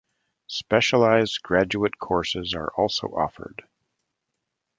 Specialized graduate courses are also offered.